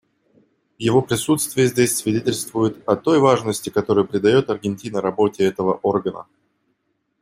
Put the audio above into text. Его присутствие здесь свидетельствует о той важности, которую придает Аргентина работе этого органа.